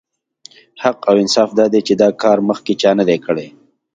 حق او انصاف دا دی چې دا کار مخکې چا نه دی کړی.